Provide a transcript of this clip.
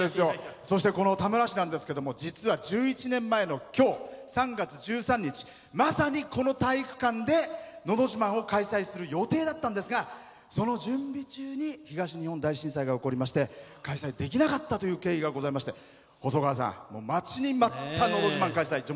そして、田村市なんですけども実は１１年前のきょう３月１３日、まさにこの体育館で「のど自慢」を開催する予定だったんですがその準備中に東日本大震災が起こりまして開催できなかったという経緯がございまして細川さん、待ちに待った「のど自慢」開催